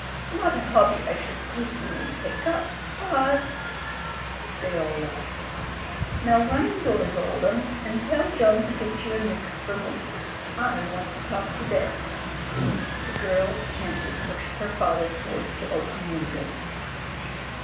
Not a hobby I should personally take up, but '' They all laughed. "Now run indoors, old 'un, and tell John to get you a mixed Vermouth — I want to talk to Derek." The girl gently pushed her father towards the open window.